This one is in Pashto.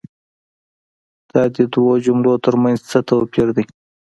دا دي دوو جملو تر منځ څه توپیر دی؟